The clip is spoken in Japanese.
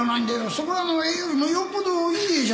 そこらの絵よりもよっぽどいい絵じゃないか。